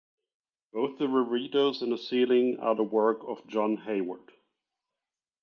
Both the reredos and the ceiling are the work of John Hayward.